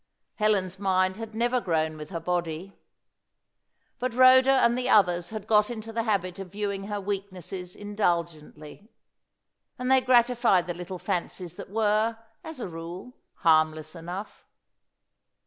Helen's mind had never grown with her body. But Rhoda and the others had got into the habit of viewing her weaknesses indulgently. And they gratified the little fancies that were, as a rule, harmless enough.